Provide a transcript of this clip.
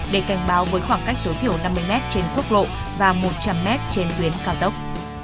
để cảnh báo với khoảng cách tối thiểu năm mươi m trên quốc lộ và một trăm linh m trên tuyến cao tốc